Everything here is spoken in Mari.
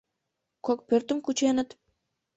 — Кок пӧртым кучынет?